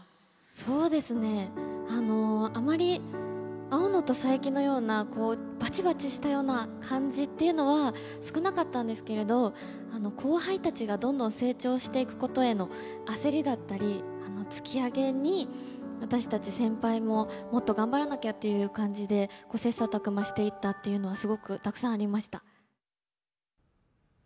そうですねあのあまり青野と佐伯のようなこうバチバチしたような感じっていうのは少なかったんですけれど後輩たちがどんどん成長していくことへの焦りだったり突き上げに私たち先輩ももっと頑張らなきゃっていう感じでこう切磋琢磨していったっていうのはすごくたくさんありました。